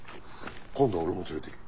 今度は俺も連れてけ。